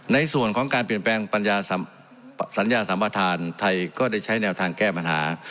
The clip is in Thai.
ในส่วนของการเปลี่ยนแปลงปัญญาสัญญาสัมประธานไทยก็ได้ใช้แนวทางแก้ปัญหา